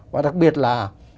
và đặc biệt là